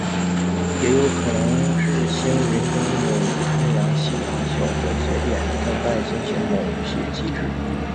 也有可能是星云中有如太阳系大小的节点正在进行某些机制。